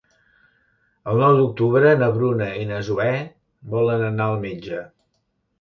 El nou d'octubre na Bruna i na Zoè volen anar al metge.